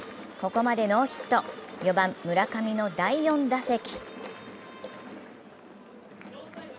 ここまでノーヒット、４番・村上の第４打席。